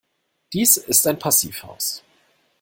Dies ist ein Passivhaus.